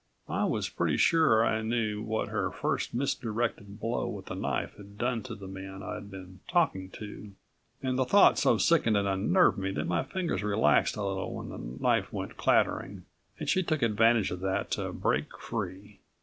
I was pretty sure I knew what her first, misdirected blow with the knife had done to the man I'd been talking to, and the thought so sickened and unnerved me that my fingers relaxed a little when the knife went clattering, and she took advantage of that to break free.